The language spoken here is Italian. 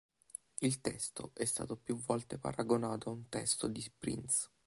Il testo è stato più volte paragonato ad un testo di Prince.